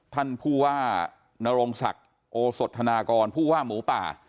ท่านผู้ว่านรงศักดิ์โอสดธนากรผู้ว่าหมูป่า